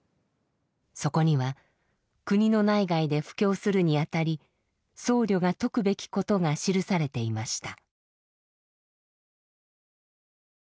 そこには国の内外で布教するにあたり僧侶が説くべきことが記されていました。